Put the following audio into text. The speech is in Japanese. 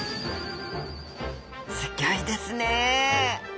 すギョいですね！